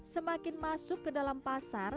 semakin masuk ke dalam pasar